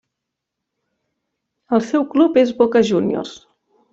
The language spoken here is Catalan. El seu club és Boca Juniors.